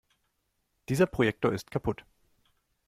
Dieser Projektor ist kaputt.